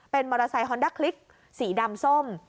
เป็นมอเตอร์ไซคอนด้าคลิกสีดำส้ม